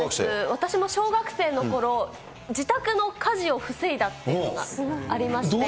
私も小学生のころ、自宅の火事を防いだっていうのがありまして。